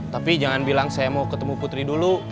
tapi jangan bilang saya mau ketemu putri dulu